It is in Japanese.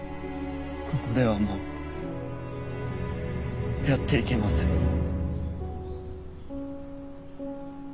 ここではもうやっていけません。